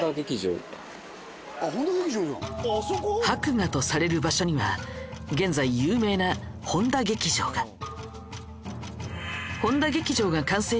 博雅とされる場所には現在有名な本多劇場が。